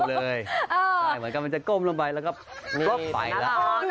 เหมือนกับมันจะก้มลงไปแล้วก็นี่ไปแล้ว